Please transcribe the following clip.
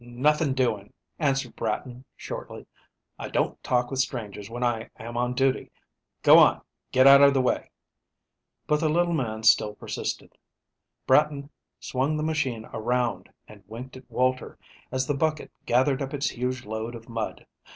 "Nothing doing," answered Bratton shortly. "I don't talk with strangers when I am on duty. Go on. Get out of the way." But the little man still persisted. Bratton swung the machine around, and winked at Walter, as the bucket gathered up its huge load of mud.